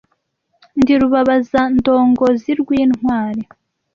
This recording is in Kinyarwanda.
Ndi rubabazandongozi rw,intwali